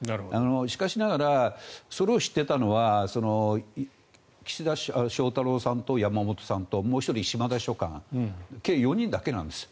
しかしながらそれを知っていたのは岸田翔太郎さんと山本さんともう１人、嶋田秘書官計４人だけなんです。